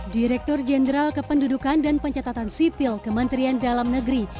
direktur jenderal kependudukan dan pencatatan sipil kementerian dalam negeri